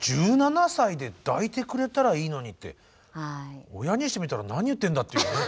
１７歳で「抱いてくれたらいいのに」って親にしてみたら何言ってんだっていうね。